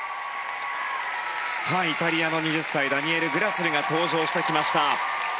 イタリアの２０歳ダニエル・グラスルが登場してきました。